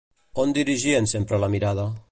On dirigien sempre la mirada?